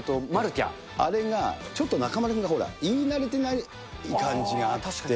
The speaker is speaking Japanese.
あれが、ちょっと中丸が言い慣れてない感じがあって。